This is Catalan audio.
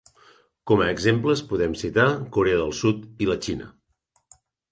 Com a exemples podem citar Corea del Sud i la Xina.